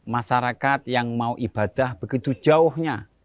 masyarakat yang mau ibadah begitu jauhnya